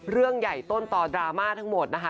เรื่องใหญ่ต้นต่อดราม่าทั้งหมดนะคะ